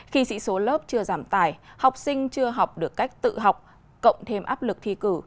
khi sĩ số lớp chưa giảm tài học sinh chưa học được cách tự học cộng thêm áp lực thi cử